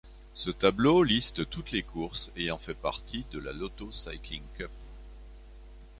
Ce tableau liste toutes les courses ayant fait partie de la Lotto Cycling Cup.